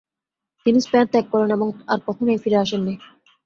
তিনি স্পেন ত্যাগ করেন এবং আর কখনই ফিরে আসেননি।